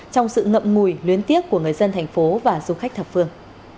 trong sự ngậm ngùi luyến tiếc của người dân thành phố và du khách thập phương